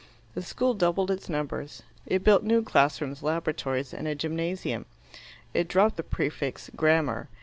The school doubled its numbers. It built new class rooms, laboratories and a gymnasium. It dropped the prefix "Grammar."